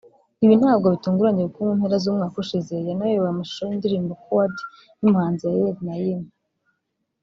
ibi ntabwo bitunguranye kuko mu mpera z’umwaka ushize yanayoboye amashusho y’indirimbo ‘Coward’ y’umuhanzi Yael Naïm